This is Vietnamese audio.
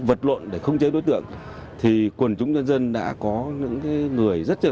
vật luận để khống chế đối tượng thì quần chúng nhân dân đã có những người rất là